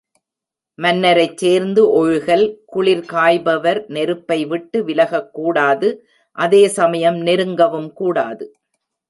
மன்னரைச் சேர்ந்து ஒழுகல் குளிர் காய்பவர் நெருப்பை விட்டு விலகக் கூடாது அதே சமயம் நெருங்கவும் கூடாது.